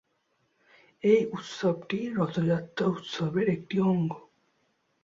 এই উৎসবটি রথযাত্রা উৎসবের একটি অঙ্গ।